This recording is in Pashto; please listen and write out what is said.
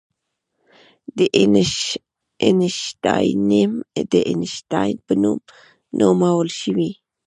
د اینشټاینیم د اینشټاین په نوم نومول شوی.